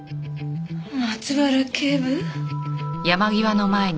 松原警部？